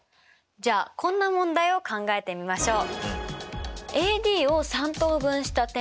じゃあこんな問題を考えてみましょう。